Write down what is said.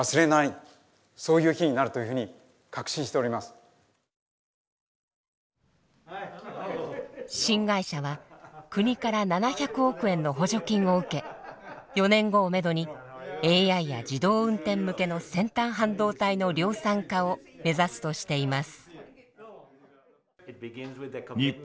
ラピダスは新会社は国から７００億円の補助金を受け４年後をめどにＡＩや自動運転向けの先端半導体の量産化を目指すとしています。